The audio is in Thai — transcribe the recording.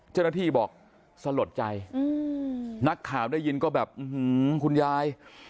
เจ้าหน้าที่บอกสลดใจนักข่าวได้ยินก็แบบอื้อหือคุณยาย